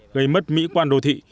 gây mất mỹ quan đô thị